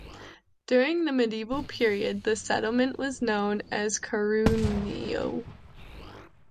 During the Medieval period the settlement was known as "Carunio".